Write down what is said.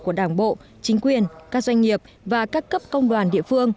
của đảng bộ chính quyền các doanh nghiệp và các cấp công đoàn địa phương